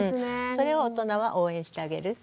それを大人は応援してあげる。